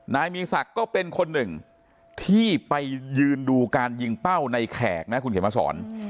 นายมีศักดิ์ก็เป็นคนหนึ่งที่ไปยืนดูการยิงเป้าในแขกนะคุณเขียนมาสอน